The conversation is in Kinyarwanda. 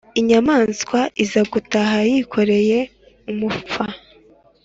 inyamaswa iza gutaha yikoreye umupfu